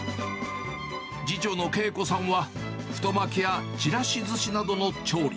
次女のけいこさんは、太巻きやちらしずしなどの調理。